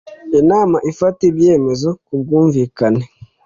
inama ifata ibyemezo ku bwumvikane